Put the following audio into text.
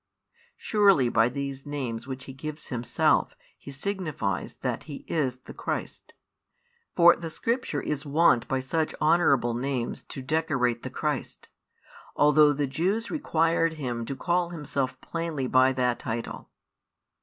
Surely by these names which He gives Himself, He signifies that He is the Christ. For the Scripture is wont by such honourable names to decorate the Christ, although the Jews required Him to call Himself plainly by that title.